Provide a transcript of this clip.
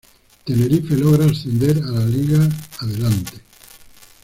Tenerife logra ascender a la Liga Adelante.